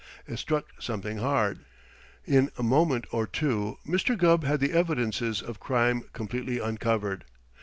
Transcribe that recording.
It struck something hard. In a moment or two Mr. Gubb had the evidences of crime completely uncovered.